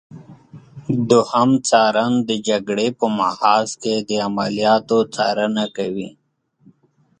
دوهم څارن د جګړې په محاذ کې د عملیاتو څارنه کوي.